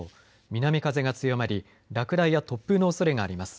南風が強まり、落雷や突風のおそれがあります。